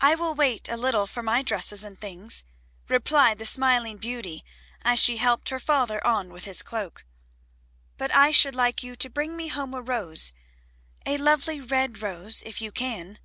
"I will wait a little for my dresses and things," replied the smiling Beauty, as she helped her father on with his cloak, "but I should like you to bring me home a rose, a lovely red rose, if you can."